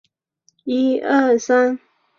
毕业于辅仁大学历史系。